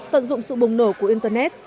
tận dụng sự bùng nổ của internet